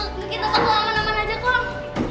kita tak mau ke mana mana aja kolong